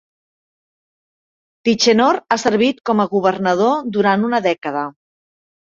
Tichenor ha servit com a governador durant una dècada.